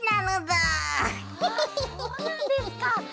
あそうなんですか。